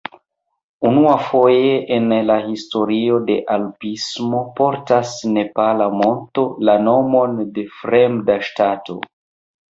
Unuafoje en la historio de alpismo portas nepala monto la nomon de fremda ŝtato.